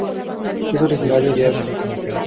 Es originario de Asia.